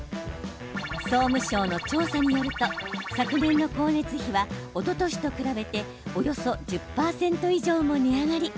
総務省の調査によると昨年の光熱費はおととしと比べておよそ１０％以上も値上がり。